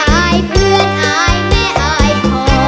อายเพื่อนอายแม่อายพอ